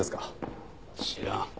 知らん。